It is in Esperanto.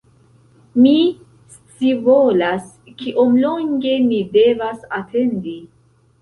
Mi scivolas kiom longe ni devas atendi